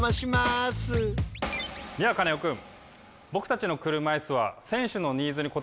やあカネオくん。